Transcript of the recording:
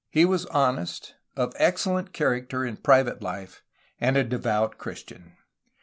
He was honest, of ex cellent character in private life, and a devout Christian.